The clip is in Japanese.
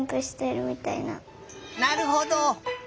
なるほど。